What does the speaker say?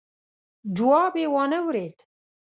جواب يې وانه ورېد.